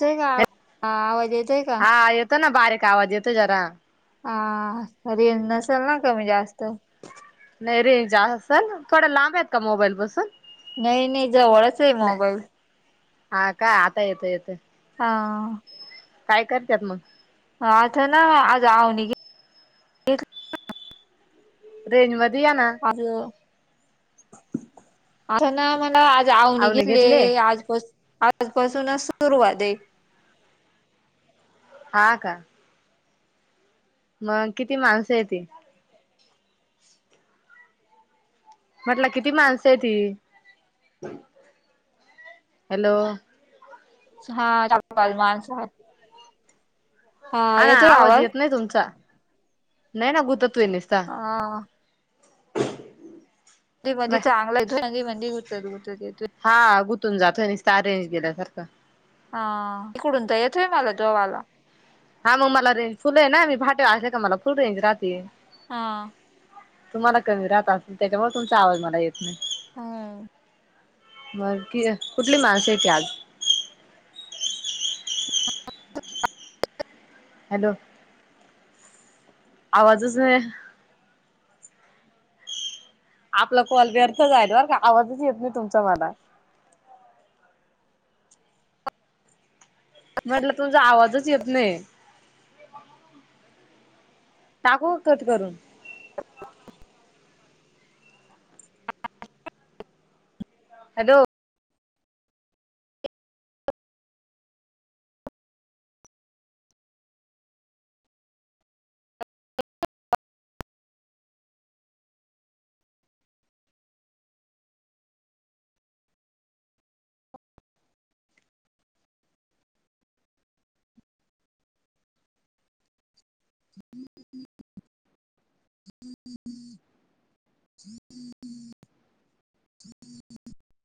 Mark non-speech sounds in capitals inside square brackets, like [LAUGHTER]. ते का आव आवाज येतोय का? हा येतो न, बारीक आवाज येतो जरा हा, रिगं नसेल ना, कमी जास्त नाही, रेंज असल. थोड लांब आहेत का मोबाईल पासून? नाही-नाही जवळच ये नाही. मोबाईल. हा. का, आता येतोय-येतोय. हा. काय करत्यात मग? आता ना आज आवनी गे रेंजमध्ये यांना. आज थ ना मना अवनी आवने घेतले घेतलीय, आजपा आजपासूनच सुरुवात आहे. हा, का. मग किती माणसं हेती? म्हटलं किती माणसे हेती? हॅलो. सहा-चार-पाच माणसं आहे. हा ना, आवाज येत नाही तुमचा. नाही ना, गुततोय निस्ता. हा. म मधी-मधी चांगला येतो. मधी-मधी गुतत- गुतत येतो. हा गुतून जातोय निस्ता, रेंज गेल्या सारखा हा, तिकडून त येतोय मला तू आवाला. हा, मग मला रेंज फुल आहे ना? मी फाट्यावर असले का मला फुल रेंज राहती हा. तुम्हाला कमी राहत असल, त्याच्यामुळे तुमचा आवाज मला येत नाही. हम्म. बग कि, कुठली मार्केट ये आज हॅलो, आवाजच नाही. आपला कॉल व्यर्थ जाईल बर का आवाजच येत नाही तुमचा मला? मी म्हटलं तुमचा आवाजच येत नाही. टाकू का कट करून? हॅलो. [INAUDIBLE] [INAUDIBLE]